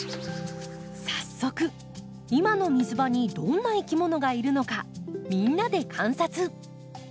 早速今の水場にどんないきものがいるのかみんなで観察。